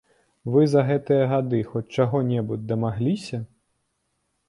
Вы за гэтыя гады хоць чаго-небудзь дамагліся?